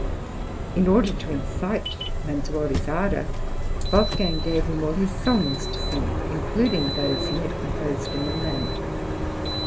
In order to incite Manzuoli's ardour, Wolfgang gave him all his songs to sing, including those he had composed in Milan.